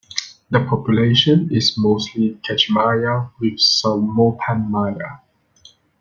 The population is mostly Kekchi Maya with some Mopan Maya.